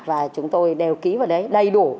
và chúng tôi đều ký vào đấy đầy đủ